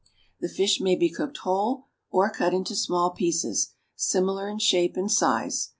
The fish may be cooked whole, or cut into small pieces, similar in shape and size.